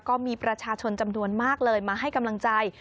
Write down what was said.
ก็มีประชาชนจำนวนมากเลยมาให้กำลังใจ